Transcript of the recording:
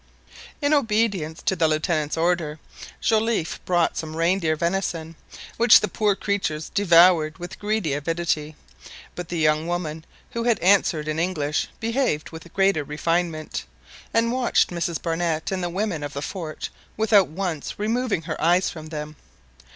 In obedience to the Lieutenant's order, Joliffe brought some reindeer venison, which the poor creatures devoured with greedy avidity; but the young woman who had answered in English behaved with greater refinement, and watched Mrs Barnett and the women of the fort without once removing her eyes from them.